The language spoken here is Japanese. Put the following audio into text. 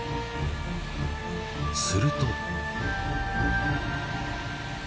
すると。